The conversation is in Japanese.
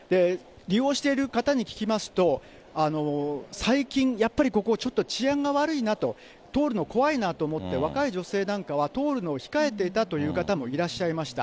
利用してる方に聞きますと、最近やっぱりここ、ちょっと治安が悪いなと、通るの怖いなと思って、若い女性なんかは、通るのを控えていたという方もいらっしゃいました。